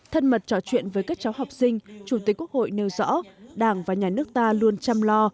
thân mật trò chuyện với các cháu học sinh chủ tịch quốc hội nêu rõ đảng và nhà nước ta luôn chăm lo